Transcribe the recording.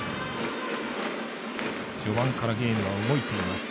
序盤からゲームが動いています。